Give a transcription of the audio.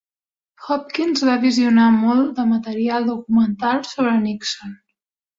Hopkins va visionar molt de material documental sobre Nixon.